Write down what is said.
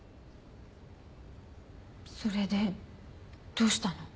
それでどうしたの？